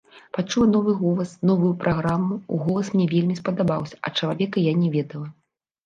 Пачула новы голас, новую праграму, голас мне вельмі спадабаўся, а чалавека я не ведала.